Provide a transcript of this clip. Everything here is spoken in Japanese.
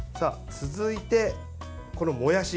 続いて、このもやし。